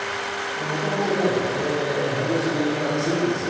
もともとね早指しは強いんですよ。